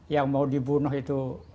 yang mau dibunuh itu